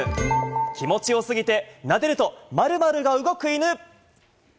気持ちよ過ぎて、なでると〇〇が動く犬。